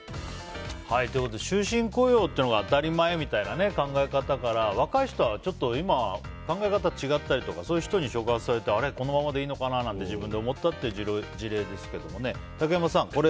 終身雇用っていうのが当たり前みたいな考え方から若い人は考え方が違ったりとかそういう人に触発されてこのままでいいのかななんて自分で思ったっていう事例ですけどね。